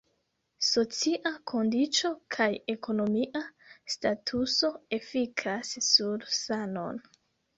Socia kondiĉo kaj ekonomia statuso efikas sur sanon.